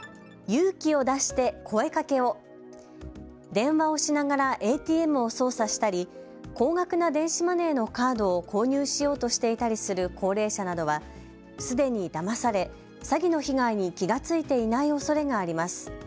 電話をしながらＡＴＭを操作したり、高額な電子マネーのカードを購入しようとしていたりする高齢者などはすでにだまされ詐欺の被害に気が付いていないおそれがあります。